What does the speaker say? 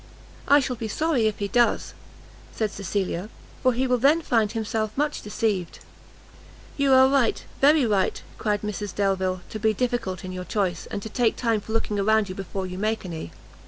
"I shall be sorry if he does," said Cecilia, "for he will then find himself much deceived." "You are right, very right," cried Mrs Delvile, "to be difficult in your choice, and to take time for looking around you before you make any.